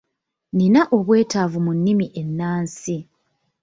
Nnina obwetaavu mu nnimi ennansi.